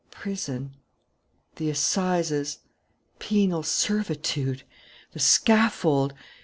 Prison! The assizes! Penal servitude! The scaffold!